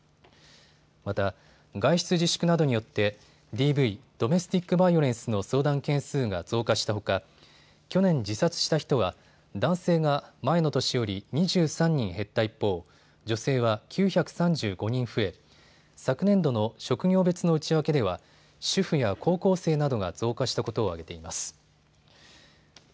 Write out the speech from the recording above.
また外出自粛などによってＤＶ・ドメスティック・バイオレンスの相談件数が増加したほか去年自殺した人は男性が前の年より２３人減った一方、女性は９３５人増え昨年度の職業別の内訳では主婦や高校生などが増加したことを挙げています。